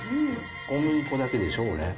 小麦粉だけでしょ、これ。